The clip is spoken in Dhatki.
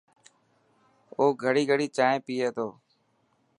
او گڙي گڙي چائين پئي تو.